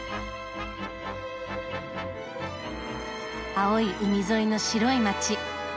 青い海沿いの白い街。